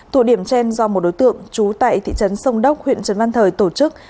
tổ điểm trên do một đối tượng trú tại thị trấn sông đốc huyện trấn văn thời tổ chức